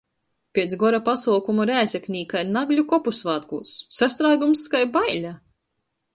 Piec “Gora” pasuokumu Rēzeknē kai Nagļu kopusvātkūs - sastrāgums kai baile!